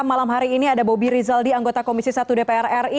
malam hari ini ada bobi rizaldi anggota komisi satu dpr ri